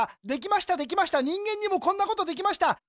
できましたできました人間にもこんなことできました。